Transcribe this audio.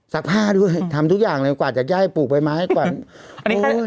สักผ้าด้วยอืมทำทุกอย่างเลยกว่าจักรย่ายปลูกไปไม้กว่าอันนี้